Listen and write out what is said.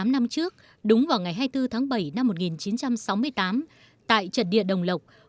tám năm trước đúng vào ngày hai mươi bốn tháng bảy năm một nghìn chín trăm sáu mươi tám tại trận địa đồng lộc